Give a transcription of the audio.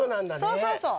そうそうそう。